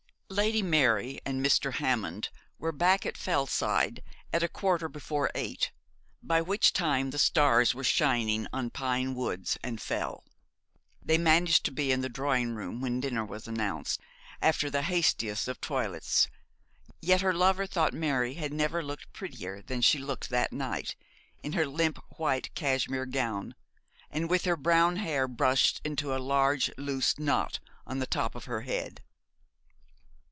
Lady Mary and Mr. Hammond were back at Fellside at a quarter before eight, by which time the stars were shining on pine woods and Fell. They managed to be in the drawing room when dinner was announced, after the hastiest of toilets; yet her lover thought Mary had never looked prettier than she looked that night, in her limp white cashmere gown, and with her brown hair brushed into a large loose knot on the top of her head.